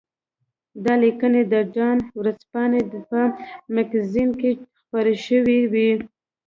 دا لیکنې د ډان ورځپاڼې په مګزین کې خپرې شوې وې.